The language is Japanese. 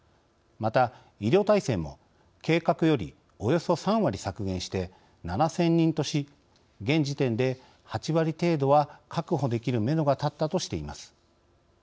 また、医療体制も計画よりおよそ３割削減して７０００人とし現時点で８割程度は確保できるめどがたったとしています。